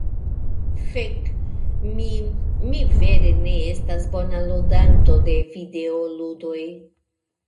Fek! Mi… Mi vere ne estas bona ludanto de videoludoj.